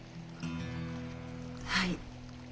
はい。